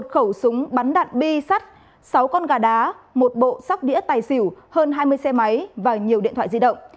một khẩu súng bắn đạn bi sắt sáu con gà đá một bộ sóc đĩa tài xỉu hơn hai mươi xe máy và nhiều điện thoại di động